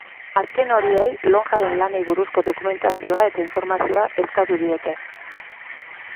Azken horiei lonjaren lanei buruzko dokumentazioa eta informazioa eskatu diete.